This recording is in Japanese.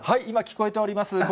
今聞こえております。